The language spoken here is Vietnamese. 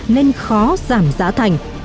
nên khó giảm giá thành